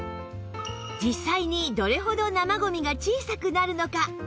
実際にどれほど生ゴミが小さくなるのか